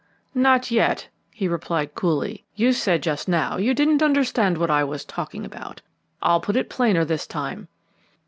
"Not yet," he replied coolly. "You said just now you didn't understand what I was talking about. I'll put it plainer this time.